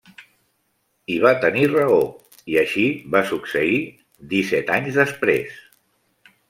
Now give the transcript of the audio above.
I va tenir raó i així va succeir, disset anys després.